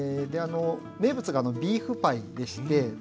名物がビーフパイでして。